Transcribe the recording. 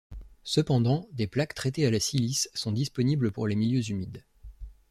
Cependant, des plaques traitées à la silice sont disponibles pour les milieux humides.